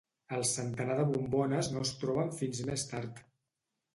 El centenar de bombones no es troben fins més tard.